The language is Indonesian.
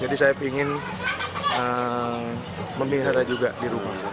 jadi saya ingin memelihara juga di rumah